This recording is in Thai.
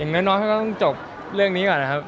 อย่างนั้นเราต้องจบเรื่องนี้ก่อนนะครับ